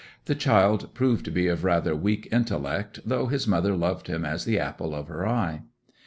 The child proved to be of rather weak intellect, though his mother loved him as the apple of her eye.